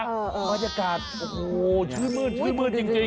วัดอากาศโอ้โหชื่อมือจริง